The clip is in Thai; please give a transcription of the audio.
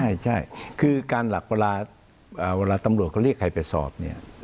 ใช่ใช่คือการหลักประราชาอ่าเวลาตำลวจก็เรียกใครไปสอบเนี้ย